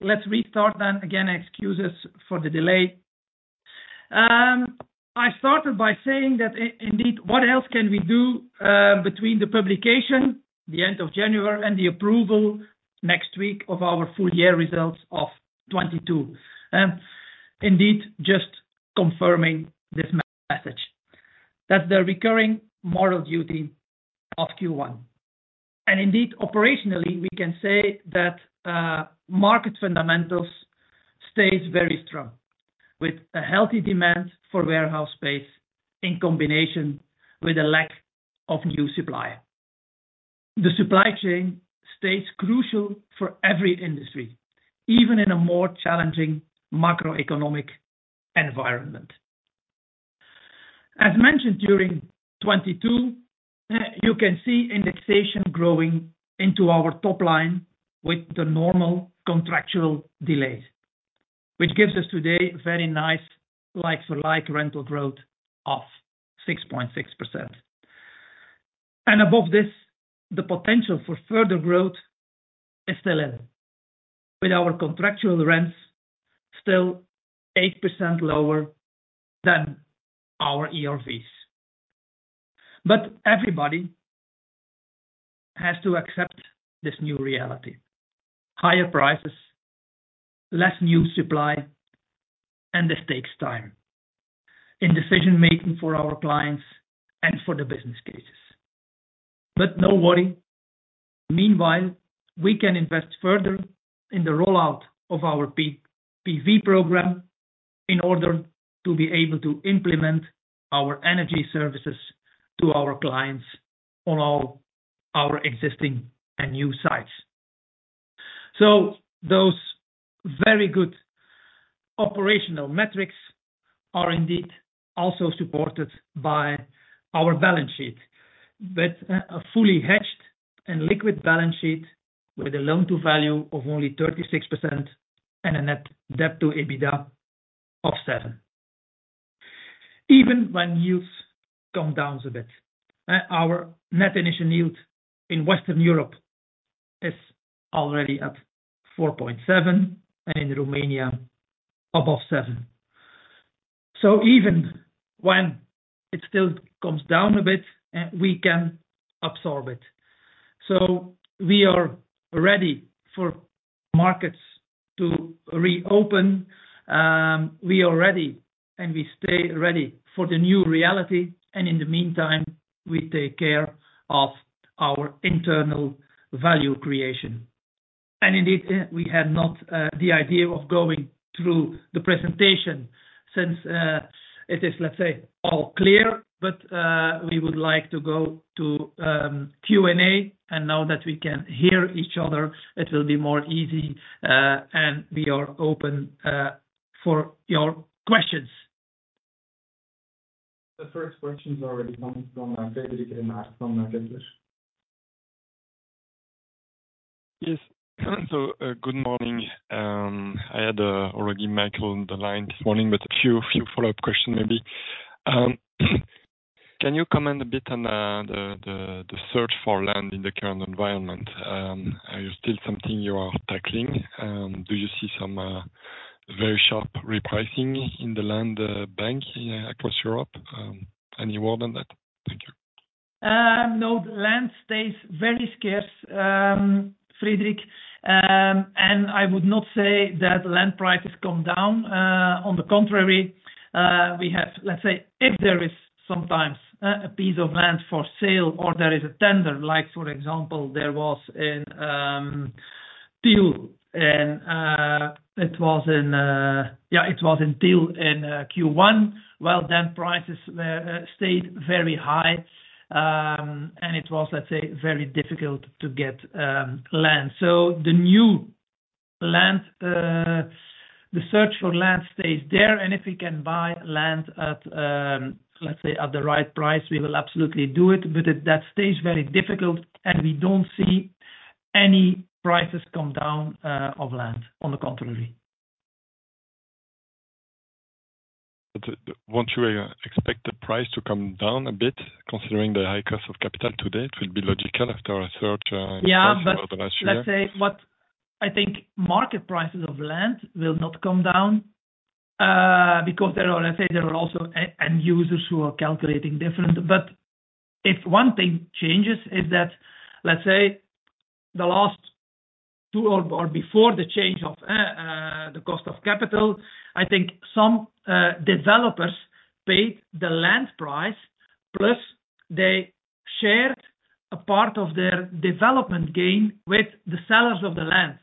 Let's restart then. Again, excuses for the delay. I started by saying that indeed, what else can we do, between the publication, the end of January, and the approval next week of our full year results of 2022? Indeed, just confirming this message. That's the recurring moral duty of Q1. Indeed, operationally, we can say that market fundamentals stays very strong, with a healthy demand for warehouse space in combination with a lack of new supply. The supply chain stays crucial for every industry, even in a more challenging macroeconomic environment. As mentioned during 2022, you can see indexation growing into our top line with the normal contractual delays, which gives us today very nice like-for-like rental growth of 6.6%. Above this, the potential for further growth is still in with our contractual rents still 8% lower than our ERVs. Everybody has to accept this new reality. Higher prices, less new supply, and this takes time in decision making for our clients and for the business cases. No worry, meanwhile, we can invest further in the rollout of our PV program in order to be able to implement our Energy services to our clients on all our existing and new sites. Those very good operational metrics are indeed also supported by our balance sheet. With a fully hedged and liquid balance sheet with a loan-to-value of only 36% and a net debt to EBITDA of 7%. Even when yields come down a bit, our net initial yield in Western Europe is already at 4.7% and in Romania above 7%. Even when it still comes down a bit, we can absorb it. We are ready for markets to reopen. We are ready and we stay ready for the new reality, and in the meantime, we take care of our internal value creation. Indeed, we had not the idea of going through the presentation since it is, let's say, all clear. We would like to go to Q&A. Now that we can hear each other, it will be more easy, and we are open for your questions. The first questions already coming from Frederik from Berenberg. Yes. Good morning. I had already [Michael] on the line this morning, but a few follow-up question, maybe. Can you comment a bit on the search for land in the current environment? Are you still something you are tackling? Do you see some very sharp repricing in the land bank across Europe? Any word on that? Thank you. No, the land stays very scarce, Frederik. I would not say that land prices come down. On the contrary, we have, let's say, if there is sometimes, a piece of land for sale or there is a tender, like for example, there was in deal and, it was in, yeah, it was in deal in Q1, well, then prices stayed very high, and it was, let's say, very difficult to get land. The new land, the search for land stays there, and if we can buy land at, let's say, at the right price, we will absolutely do it. That stays very difficult, and we don't see any prices come down, of land, on the contrary. Won't you expect the price to come down a bit considering the high cost of capital today? It will be logical after a search. Yeah. over the last year. let's say, what I think market prices of land will not come down, because there are, let's say, there are also end users who are calculating different. If one thing changes is that, let's say, the last two or before the change of the cost of capital, I think some developers paid the land price, plus they shared a part of their development gain with the sellers of the land.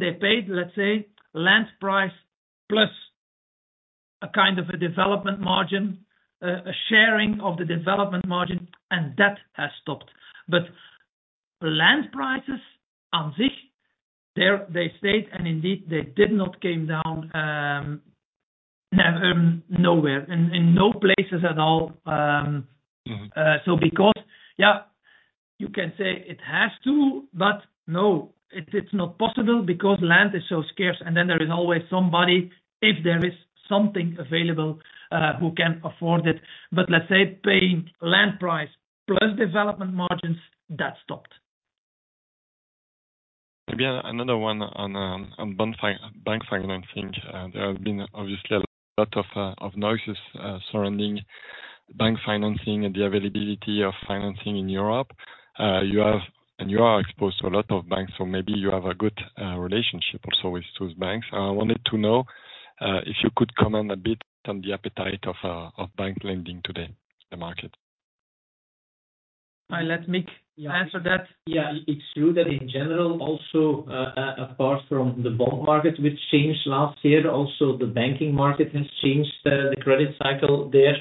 They paid, let's say, land price plus a kind of a development margin, a sharing of the development margin, and that has stopped. Land prices ansich, there they stayed, and indeed, they did not came down, never, nowhere, in no places at all. Mm-hmm. Because, you can say it has to, but no, it's not possible because land is so scarce, and then there is always somebody, if there is something available, who can afford it. Let's say paying land price plus development margins, that stopped. Maybe another one on bank financing. There have been obviously a lot of noises surrounding bank financing and the availability of financing in Europe. You are exposed to a lot of banks, so maybe you have a good relationship also with those banks. I wanted to know if you could comment a bit on the appetite of bank lending today in the market. I'll let Mick answer that. It's true that in general also, apart from the bond market which changed last year, also the banking market has changed, the credit cycle there.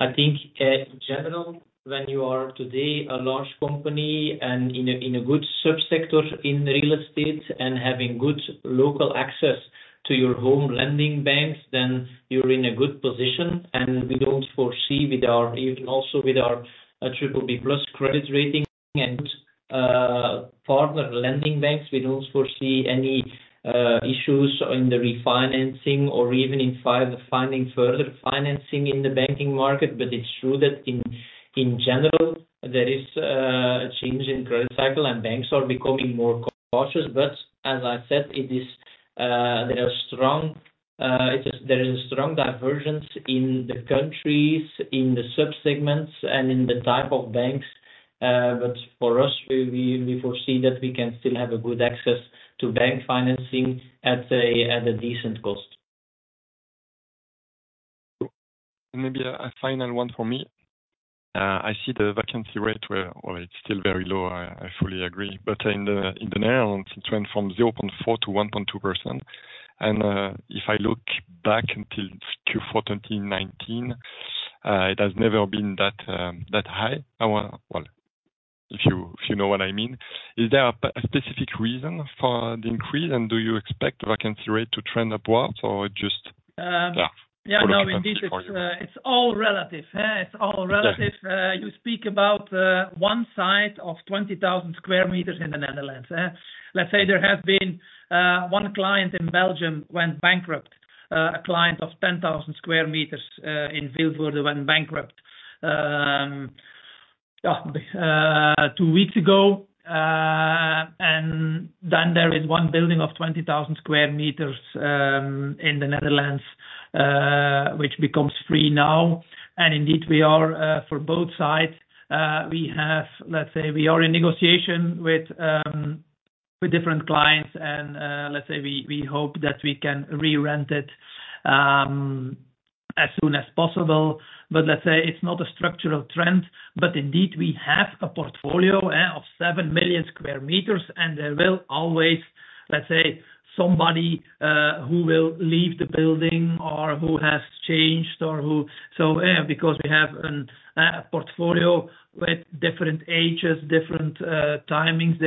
I think in general, when you are today a large company and in a good subsector in real estate and having good local access to your home lending banks, then you're in a good position. We don't foresee even also with our BBB+ credit rating and partner lending banks, we don't foresee any issues in the refinancing or even in finding further financing in the banking market. It's true that in general, there is a change in credit cycle, and banks are becoming more cautious. As I said, it is, there are strong, there is a strong divergence in the countries, in the subsegments, and in the type of banks. For us, we foresee that we can still have a good access to bank financing at a decent cost. Maybe a final one for me. I see the vacancy rate. Well, it's still very low, I fully agree. In the Netherlands, it went from 0.4% to 1.2%. If I look back until Q4 2019, it has never been that high. Well, if you know what I mean. Is there a specific reason for the increase? Do you expect vacancy rate to trend upwards or just, yeah, color a little bit for you. Yeah. No, indeed. It's all relative. It's all relative. Yeah. You speak about one site of 20,000 square meters in the Netherlands. Let's say there have been one client in Belgium went bankrupt. A client of 10,000 square meters in Vilvoorde went bankrupt two weeks ago. There is one building of 20,000 square meters in the Netherlands, which becomes free now. Indeed, we are for both sides, we have... let's say we are in negotiation with different clients. Let's say we hope that we can re-rent it as soon as possible. Let's say it's not a structural trend, but indeed, we have a portfolio, yeah, of 7 million square meters, and there will always, let's say, somebody who will leave the building or who has changed or who... Because we have a portfolio with different ages, different timings.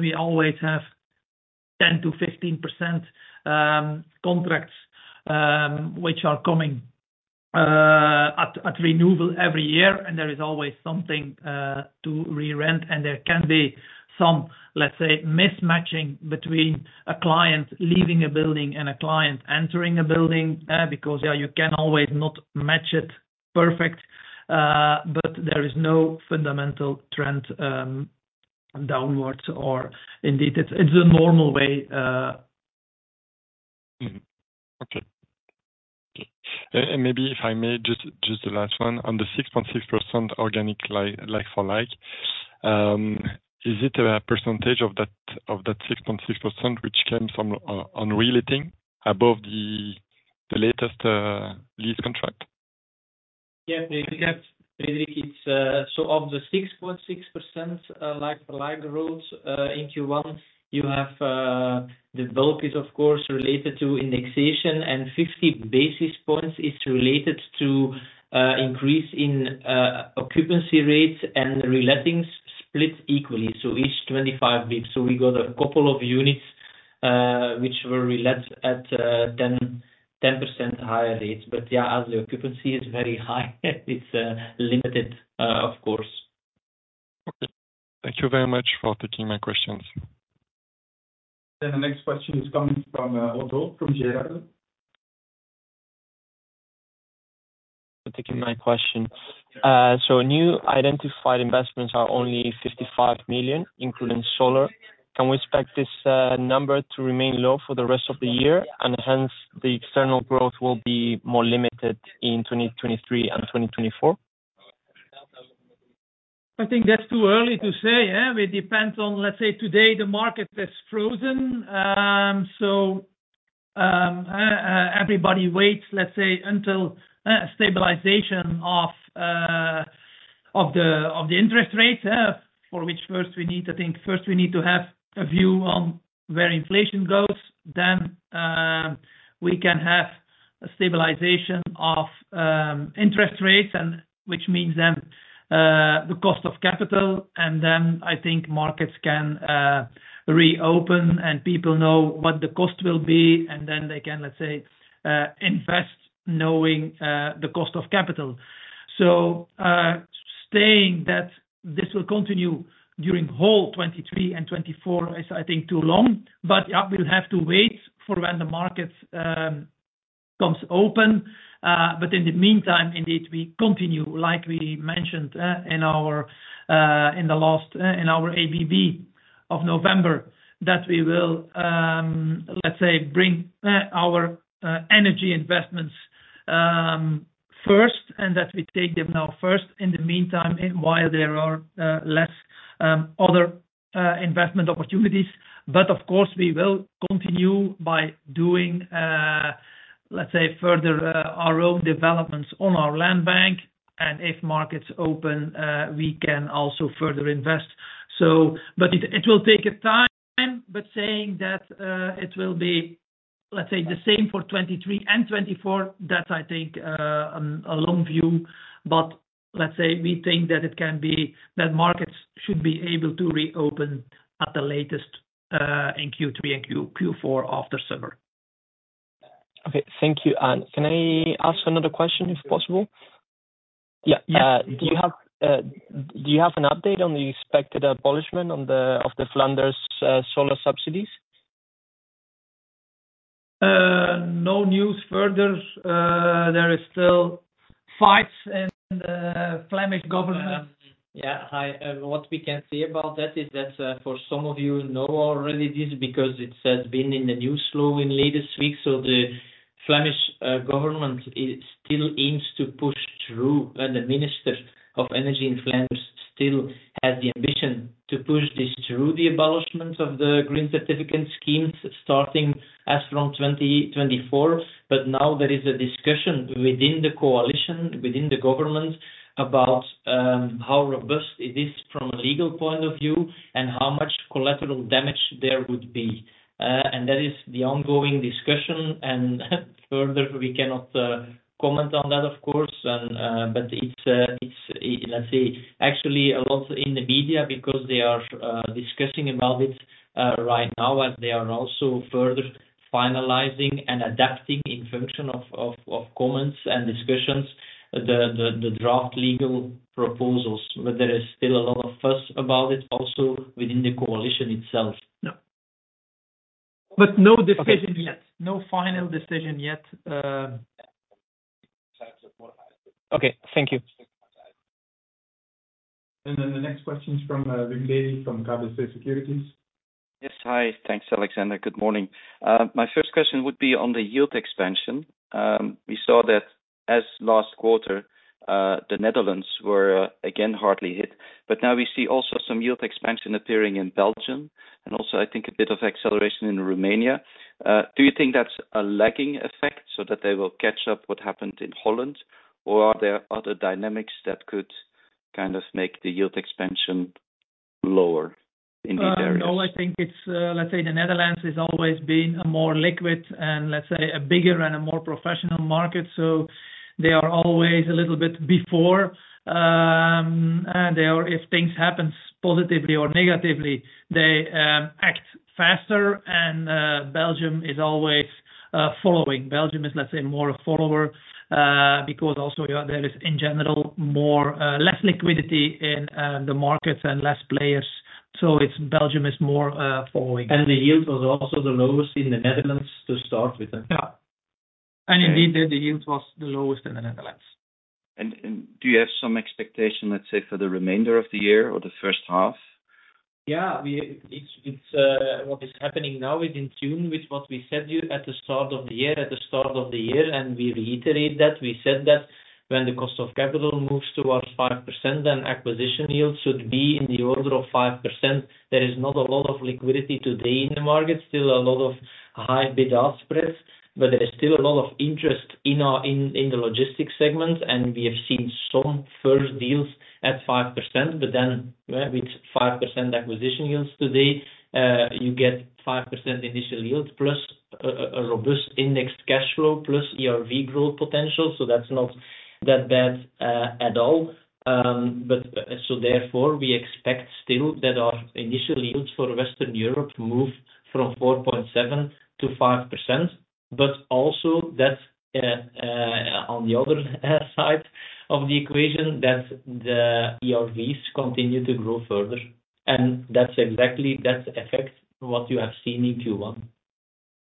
We always have 10% to 15% contracts which are coming at renewal every year. There is always something to re-rent. There can be some, let's say, mismatching between a client leaving a building and a client entering a building, because you can always not match it perfect. There is no fundamental trend downwards or indeed, it's a normal way. Okay. Maybe if I may, just the last one. On the 6.6% organic like-for-like, is it a percentage of that 6.6% which comes from on reletting above the latest lease contract? Yeah. Of the 6.6% like-for-like growth in Q1, you have, the bulk is, of course, related to indexation, and 50 basis points is related to increase in occupancy rates and relettings split equally, so each 25 basis points. We got a couple of units which were relet at 10% higher rates. Yeah, as the occupancy is very high, it's limited, of course. Okay. Thank you very much for taking my questions. The next question is coming from Otto, from Jefferies. For taking my question. New identified investments are only 55 million, including solar. Can we expect this number to remain low for the rest of the year, and hence the external growth will be more limited in 2023 and 2024? I think that's too early to say, yeah. It depends on, let's say, today, the market is frozen. Everybody waits, let's say, until stabilization of the interest rates, yeah. For which first we need to think. First, we need to have a view on where inflation goes. We can have a stabilization of interest rates, and which means then the cost of capital. I think markets can reopen, and people know what the cost will be, and then they can, let's say, invest knowing the cost of capital. Saying that this will continue during whole 2023 and 2024 is, I think, too long. Yeah, we'll have to wait for when the markets Comes open. In the meantime, indeed, we continue like we mentioned in our in the last in our ABB of November, that we will, let's say, bring our Energy services investments first and that we take them now first in the meantime, and while there are less other investment opportunities. Of course, we will continue by doing, let's say, further our own developments on our land bank. And if markets open, we can also further invest. It will take a time, but saying that, it will be, let's say, the same for 2023 and 2024, that I take a long view. Let's say we think that it can be. That markets should be able to reopen at the latest in Q3 and Q4 after summer. Okay, thank you. Can I ask another question, if possible? Yeah. Yeah. Do you have an update on the expected abolishment of the Flanders solar subsidies? No news further. There is still fights in the Flemish government. Yeah. Hi. What we can say about that is that for some of you know already this because it has been in the news flow in latest weeks. The Flemish government still aims to push through, and the Minister of Energy in Flanders still has the ambition to push this through the abolishment of the green certificate schemes starting as from 2024. Now there is a discussion within the coalition, within the government about how robust it is from a legal point of view and how much collateral damage there would be. That is the ongoing discussion. Further, we cannot comment on that, of course. It's, let's say, actually a lot in the media because they are discussing about it right now, and they are also further finalizing and adapting in function of comments and discussions, the draft legal proposals. There is still a lot of fuss about it also within the coalition itself. No. No decision yet. Okay. No final decision yet. Okay, thank you. The next question is from Wim Lewi from KBC Securities. Yes. Hi. Thanks, Alexander. Good morning. My first question would be on the yield expansion. We saw that as last quarter, the Netherlands were again hardly hit, but now we see also some yield expansion appearing in Belgium, and also, I think, a bit of acceleration in Romania. Do you think that's a lagging effect so that they will catch up what happened in Holland? Are there other dynamics that could kind of make the yield expansion lower in these areas? I think it's, let's say, the Netherlands is always been a more liquid and, let's say, a bigger and a more professional market. They are always a little bit before there. If things happen positively or negatively, they act faster. Belgium is always following. Belgium is, let's say, more a follower, because also there is, in general, more less liquidity in the markets and less players. It's Belgium is more following. The yield was also the lowest in the Netherlands to start with. Yeah. Indeed, the yield was the lowest in the Netherlands. Do you have some expectation, let's say, for the remainder of the year or the first half? Yeah. We, it's, what is happening now is in tune with what we said at the start of the year, and we reiterate that. We said that when the cost of capital moves towards 5%, then acquisition yields should be in the order of 5%. There is not a lot of liquidity today in the market. Still a lot of high bid-ask spreads, but there is still a lot of interest in our, in the logistics segment, and we have seen some first deals at 5%. With 5% acquisition yields today, you get 5% initial yields plus a robust indexed cash flow plus ERV growth potential. That's not that bad at all. Therefore, we expect still that our initial yields for Western Europe move from 4.7%-5%. Also that, on the other side of the equation, that the ERVs continue to grow further. That's effect what you have seen in Q1.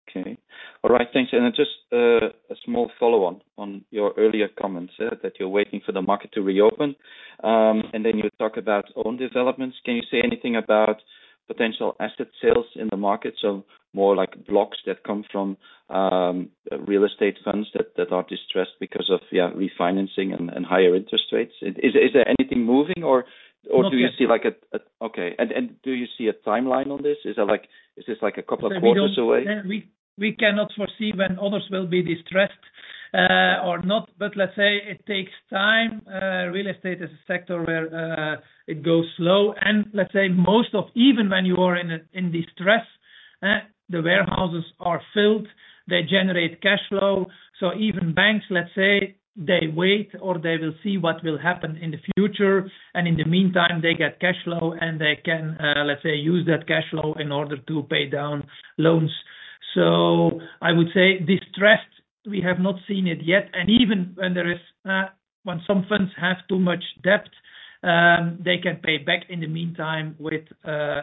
Okay. All right, thanks. Just a small follow-on on your earlier comments that you're waiting for the market to reopen, and then you talk about own developments. Can you say anything about potential asset sales in the market? More like blocks that come from real estate funds that are distressed because of refinancing and higher interest rates. Is there anything moving or do you see like? Not yet. Okay. do you see a timeline on this? Is that like, is this like a couple of quarters away? We cannot foresee when others will be distressed or not. Let's say it takes time. Real estate is a sector where it goes slow. Let's say most of, even when you are in a, in distress, the warehouses are filled, they generate cash flow. Even banks, let's say, they wait or they will see what will happen in the future, and in the meantime, they get cash flow, and they can, let's say, use that cash flow in order to pay down loans. I would say distressed, we have not seen it yet. Even when there is, when some funds have too much debt, they can pay back in the meantime with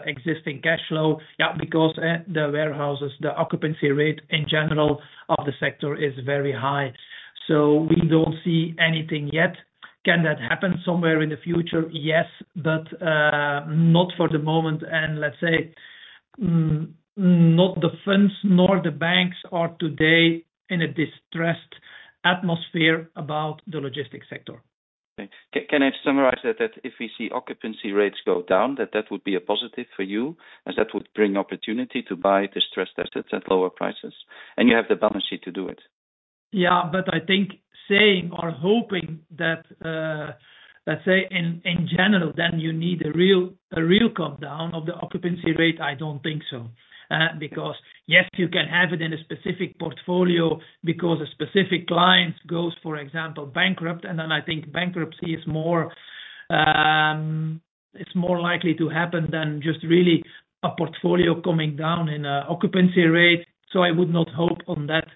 existing cash flow, yeah, because the warehouses, the occupancy rate in general of the sector is very high. We don't see anything yet. Can that happen somewhere in the future? Yes. Not for the moment, and let's say, not the funds nor the banks are today in a distressed atmosphere about the logistics sector. Okay. Can I summarize that if we see occupancy rates go down, that that would be a positive for you, as that would bring opportunity to buy distressed assets at lower prices, and you have the balance sheet to do it? Yeah. I think saying or hoping that, let's say in general, then you need a real countdown of the occupancy rate, I don't think so. Because, yes, you can have it in a specific portfolio because a specific client goes, for example, bankrupt. I think bankruptcy is more, it's more likely to happen than just really a portfolio coming down in a occupancy rate. I would not hope on that.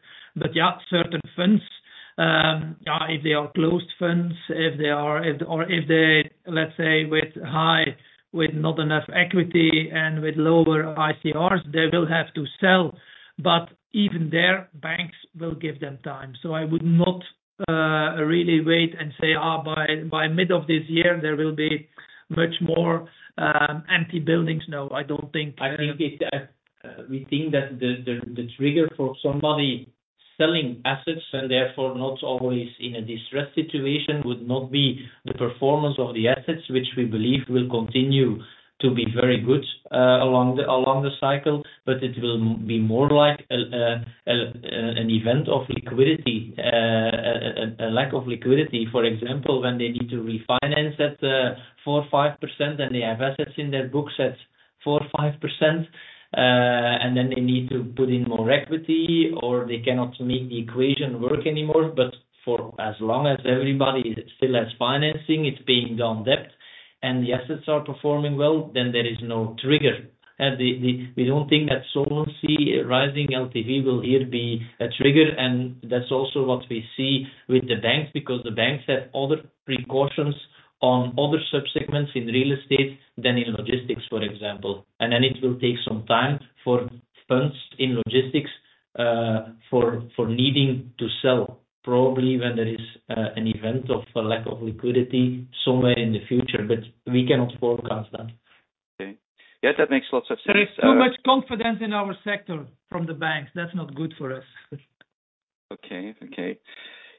Yeah, certain funds, yeah, if they are closed funds, or if they, let's say, with high, with not enough equity and with lower ICRs, they will have to sell. Even there, banks will give them time. I would not really wait and say, "Oh, by mid of this year, there will be much more empty buildings." No, I don't think. I think it's, we think that the trigger for somebody selling assets, and therefore not always in a distressed situation, would not be the performance of the assets, which we believe will continue to be very good, along the cycle, but it will be more like an event of liquidity, a lack of liquidity. For example, when they need to refinance at 4% or 5%, and they have assets in their books at 4% or 5%, and then they need to put in more equity or they cannot make the equation work anymore. For as long as everybody still has financing, it's being done depth, and the assets are performing well, then there is no trigger. We don't think that solvency rising LTV will here be a trigger. That's also what we see with the banks, because the banks have other precautions on other subsegments in real estate than in logistics, for example. Then it will take some time for funds in logistics, for needing to sell, probably when there is an event of a lack of liquidity somewhere in the future. We cannot forecast that. Okay. Yes, that makes lots of sense. There is too much confidence in our sector from the banks. That's not good for us. Okay, okay.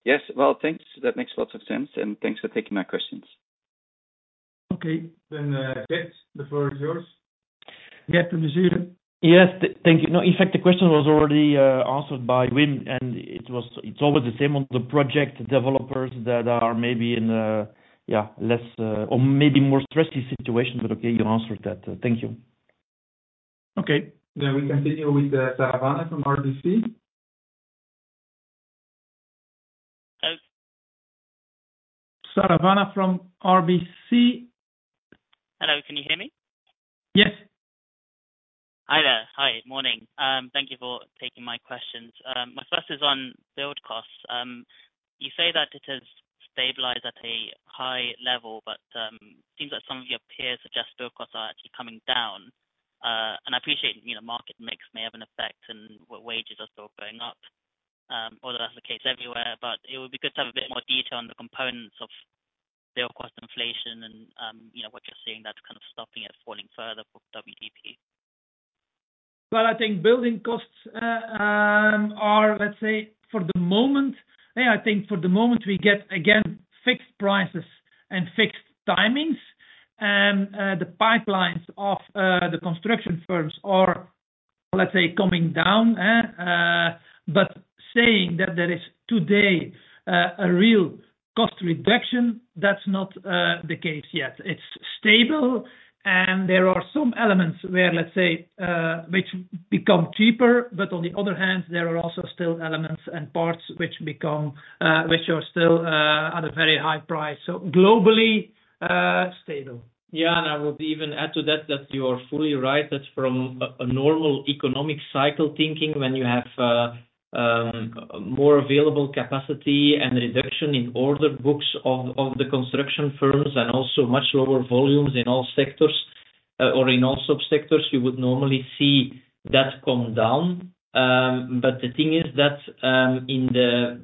Yes. Well, thanks. That makes lots of sense, and thanks for taking my questions. Okay. Vince, the floor is yours. Get to New Zealand. Yes. Thank you. No, in fact, the question was already answered by Wim, and it's always the same on the project developers that are maybe in a less or maybe more stressful situation. Okay, you answered that. Thank you. Okay. We continue with Saravana from RBC. Hello? Saravana from RBC. Hello, can you hear me? Yes. Hi there. Hi. Morning. Thank you for taking my questions. My first is on build costs. You say that it has stabilized at a high level, but seems like some of your peers suggest build costs are actually coming down. I appreciate, you know, market mix may have an effect and what wages are still going up, although that's the case everywhere, but it would be good to have a bit more detail on the components of build cost inflation and, you know, what you're seeing that's kind of stopping it falling further for WDP. I think building costs are, let's say, Yeah, I think for the moment we get, again, fixed prices and fixed timings, and the pipelines of the construction firms are, let's say, coming down, eh? Saying that there is today a real cost reduction, that's not the case yet. It's stable, and there are some elements where, let's say, which become cheaper, but on the other hand, there are also still elements and parts which become, which are still at a very high price. Globally stable. Yeah. I would even add to that you are fully right. That's from a normal economic cycle thinking when you have more available capacity and reduction in order books of the construction firms and also much lower volumes in all sectors or in all subsectors, you would normally see that come down. The thing is that in the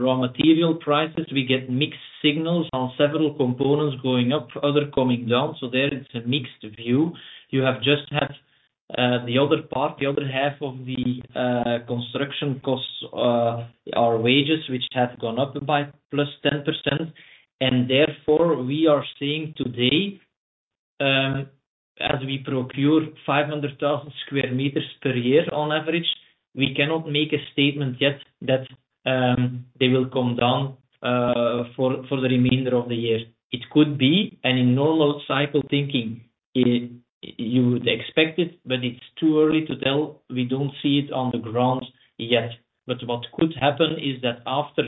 raw material prices, we get mixed signals on several components going up, other coming down. There it's a mixed view. You have just had the other part, the other half of the construction costs are wages which have gone up by +10%. Therefore, we are seeing today, as we procure 500,000 square meters per year on average, we cannot make a statement yet that they will come down for the remainder of the year. It could be, and in normal cycle thinking you would expect it, but it's too early to tell. We don't see it on the ground yet. What could happen is that after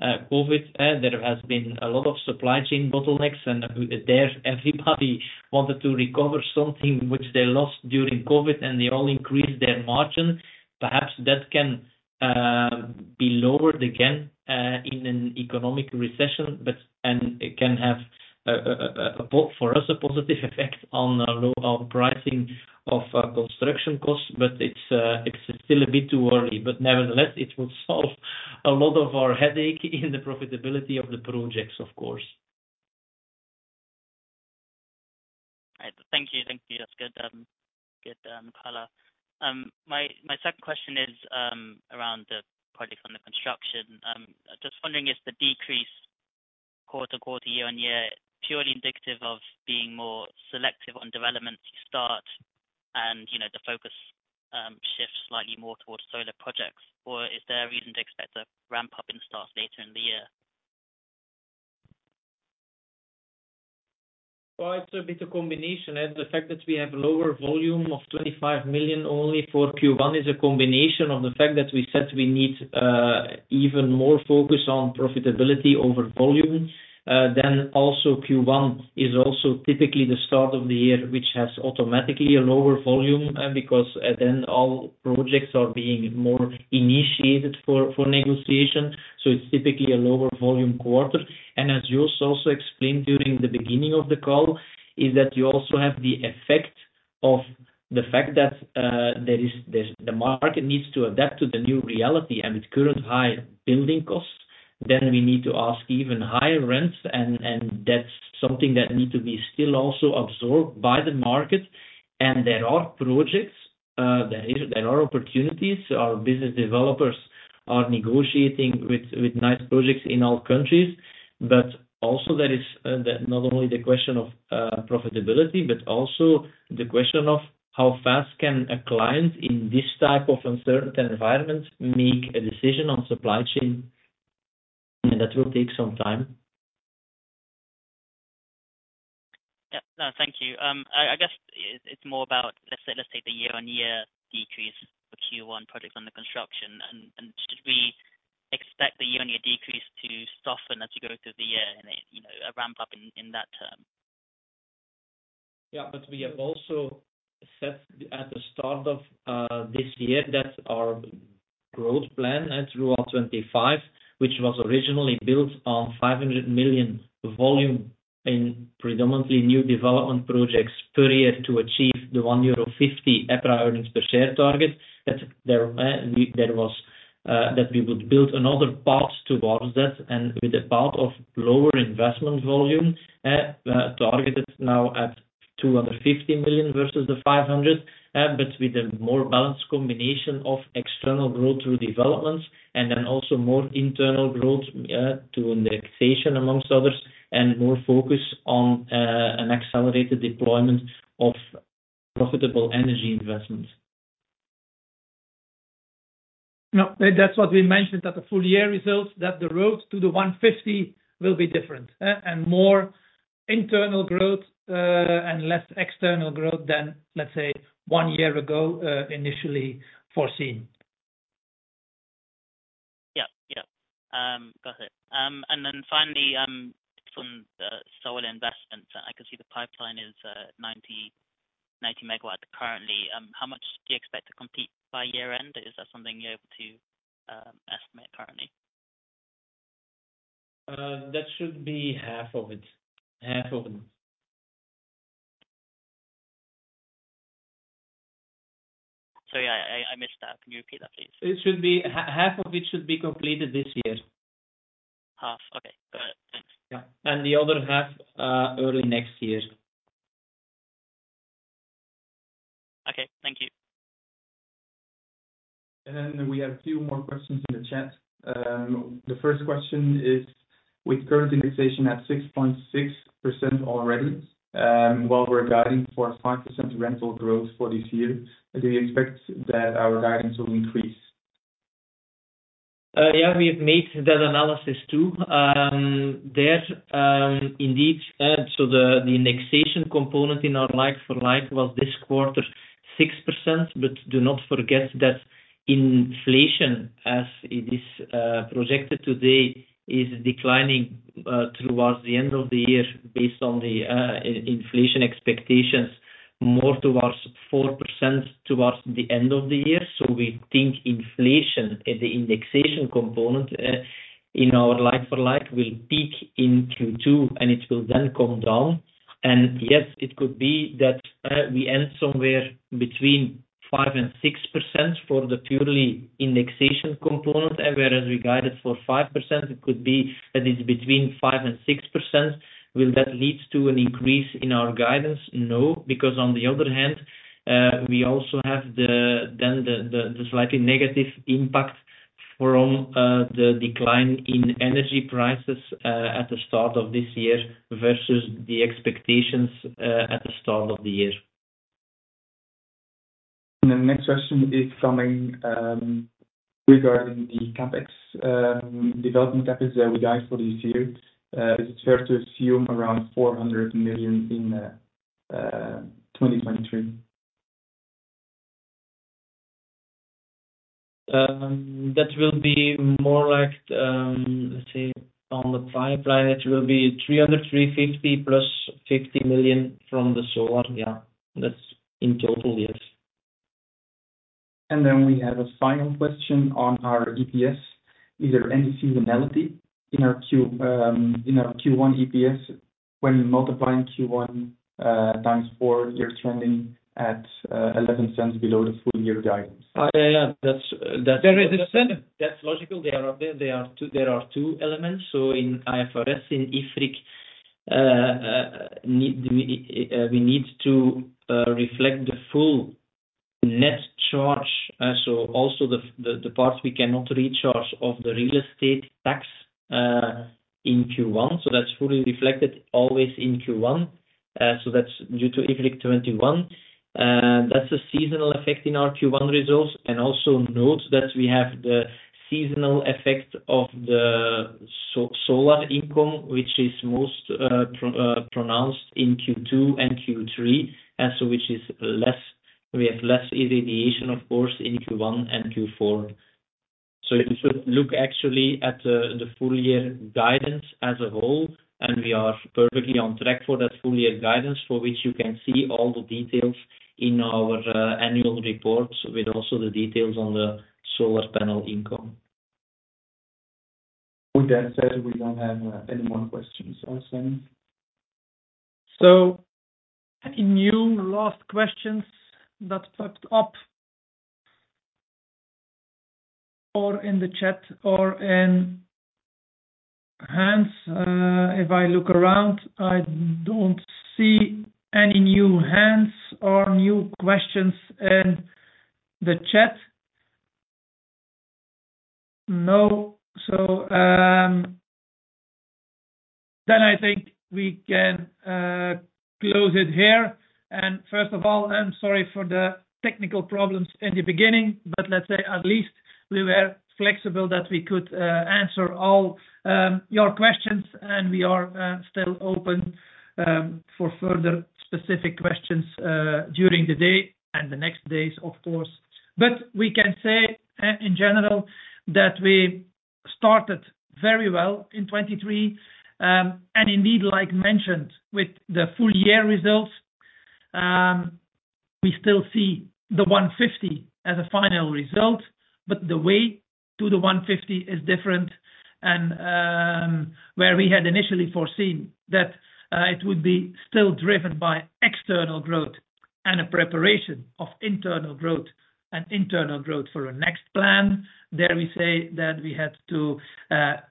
COVID, there has been a lot of supply chain bottlenecks, and there everybody wanted to recover something which they lost during COVID, and they all increased their margin. Perhaps that can be lowered again in an economic recession, and it can have a, for us, a positive effect on pricing of construction costs, but it's still a bit too early. Nevertheless, it will solve a lot of our headache in the profitability of the projects, of course. Thank you. Thank you. That's good color. My second question is around the project under construction. Just wondering if the decrease quarter quarter, year-on-year purely indicative of being more selective on developments you start and, you know, the focus shifts slightly more towards solar projects. Is there a reason to expect a ramp-up in starts later in the year? Well, it's a bit a combination. The fact that we have lower volume of 25 million only for Q1 is a combination of the fact that we said we need even more focus on profitability over volume. Also Q1 is also typically the start of the year, which has automatically a lower volume, because then all projects are being more initiated for negotiation. It's typically a lower volume quarter. As Joost also explained during the beginning of the call, is that you also have the effect of the fact that. The market needs to adapt to the new reality and its current high building costs. We need to ask even higher rents and that's something that need to be still also absorbed by the market. There are projects, there are opportunities. Our business developers are negotiating with nice projects in all countries. Also there is that not only the question of profitability, but also the question of how fast can a client in this type of uncertain environment make a decision on supply chain. That will take some time. Yeah. No, thank you. I guess it's more about, let's say, let's take the year-on-year decrease for Q1 projects under construction and should we expect the year-on-year decrease to soften as you go through the year and it, you know, a ramp-up in that term? We have also set at the start of this year that our growth plan through 2025, which was originally built on 500 million volume in predominantly new development projects per year to achieve the 1.50 euro EPRA earnings per share target. That there, that we would build another path towards that and with a path of lower investment volume, targeted now at 250 million versus the 500 million, but with a more balanced combination of external growth through developments and then also more internal growth, to indexation amongst others, and more focus on an accelerated deployment of profitable energy investments. No, that's what we mentioned at the full year results, that the road to the 150 will be different, and more internal growth, and less external growth than, let's say, one year ago, initially foreseen. Yeah. Yeah. Got it. Finally, from the solar investments, I can see the pipeline is 90 MW currently. How much do you expect to complete by year-end? Is that something you're able to estimate currently? That should be half of it. Half of it. Sorry, I missed that. Can you repeat that, please? It should be half of it should be completed this year. Half. Okay. Got it. Thanks. Yeah. The other half, early next year. Okay. Thank you. We have two more questions in the chat. The first question is, with current indexation at 6.6% already, while we're guiding for 5% rental growth for this year, do you expect that our guidance will increase? Yeah, we have made that analysis too. Indeed. The indexation component in our like-for-like was this quarter 6%. Do not forget that inflation, as it is projected today, is declining towards the end of the year based on the inflation expectations more towards 4% towards the end of the year. We think inflation, the indexation component, in our like-for-like will peak in Q2, and it will then come down. Yes, it could be that we end somewhere between 5% and 6% for the purely indexation component, whereas we guided for 5%, it could be that it's between 5% and 6%. Will that lead to an increase in our guidance? No, because on the other hand, we also have the slightly negative impact from the decline in energy prices at the start of this year versus the expectations at the start of the year. The next question is coming, regarding the CapEx, development CapEx that we guide for this year. Is it fair to assume around 400 million in, 2023? That will be more like, let's say on the pipeline, it will be 300, 350 plus 50 million from the solar. That's in total. We have a final question on our EPS. Is there any seasonality in our Q1 EPS when multiplying Q1 times 4, you're trending at 0.11 below the full year guidance? Oh, yeah. That's. There is. That's logical. There are two elements. In IFRS, in IFRIC, we need to reflect the full net charge, so also the parts we cannot recharge of the real estate tax, in Q1. That's fully reflected always in Q1. That's due to IFRIC 21. That's a seasonal effect in our Q1 results. Also note that we have the seasonal effect of the solar income, which is most pronounced in Q2 and Q3, which is less. We have less irradiation, of course, in Q1 and Q4. You should look actually at the full year guidance as a whole, and we are perfectly on track for that full year guidance, for which you can see all the details in our annual reports, with also the details on the solar panel income. With that said, we don't have any more questions. Awesome. Any new last questions that popped up or in the chat or in hands? If I look around, I don't see any new hands or new questions in the chat. No. Then I think we can close it here. First of all, I'm sorry for the technical problems in the beginning, but let's say at least we were flexible that we could answer all your questions, and we are still open for further specific questions during the day and the next days of course. We can say in general that we started very well in 23. Indeed, like mentioned with the full year results, we still see the 150 as a final result, but the way to the 150 is different. Where we had initially foreseen that it would be still driven by external growth and a preparation of internal growth and internal growth for our next plan. Dare we say that we had to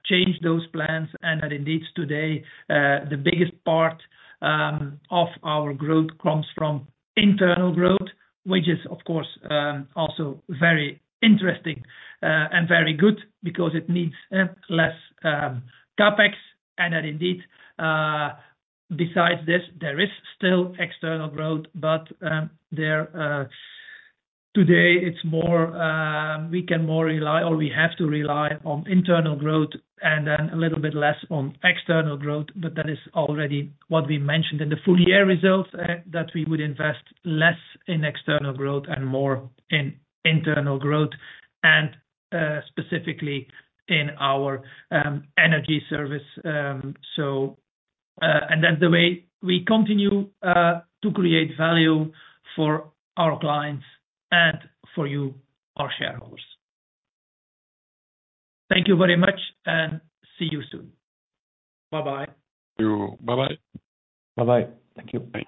change those plans, and that indeed today, the biggest part of our growth comes from internal growth. Which is of course, also very interesting and very good because it needs less CapEx and that indeed. Besides this, there is still external growth, but there today it's more we can more rely or we have to rely on internal growth and then a little bit less on external growth, but that is already what we mentioned in the full year results, that we would invest less in external growth and more in internal growth and specifically in our Energy Service. That's the way we continue to create value for our clients and for you, our shareholders. Thank you very much and see you soon. Bye bye. Thank you. Bye bye. Bye bye. Thank you. Bye.